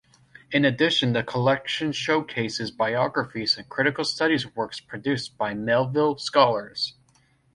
In addition, the collection showcases biographies and critical studies works produced by Melville scholars.